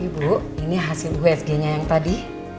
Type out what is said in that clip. ibu ini hasil wfg nya yang tadi